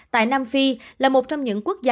tại nam phi là một trong những quốc gia